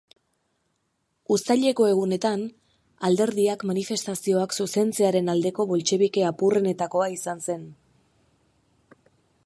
Uztaileko Egunetan, alderdiak manifestazioak zuzentzearen aldeko boltxebike apurrenetakoa izan zen.